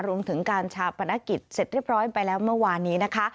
รวมถึงการชาปนกิจเสร็จเรียบร้อยไปแล้วเมื่อวานนี้นะคะ